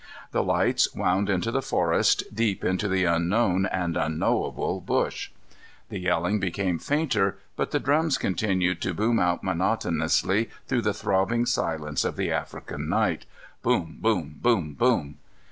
The lights wound into the forest, deep into the unknown and unknowable bush. The yelling became fainter, but the drums continued to boom out monotonously through the throbbing silence of the African night. Boom, boom, boom, boom!